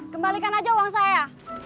kembalikan aja uang saya